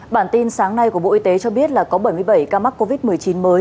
bản tin sáng nay của bộ y tế cho biết là có bảy mươi bảy ca mắc covid một mươi chín mới